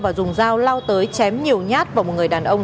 và dùng dao lao tới chém nhiều nhát vào một người đàn ông